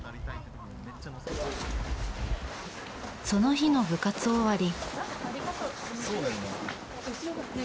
その日の部活終わり。